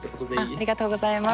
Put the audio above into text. ありがとうございます。